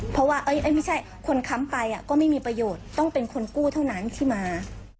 เพราะว่าไม่ใช่คนค้ำไปก็ไม่มีประโยชน์ต้องเป็นคนกู้เท่านั้นที่มา